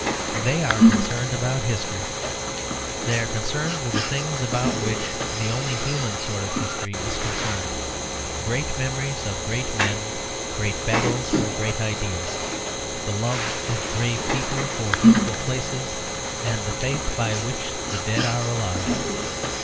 They are concerned about history. They are concerned with the things about which the only human sort of history is concerned; great memories of great men, great battles for great ideas, the love of brave people for beautiful places, and the faith by which the dead are alive.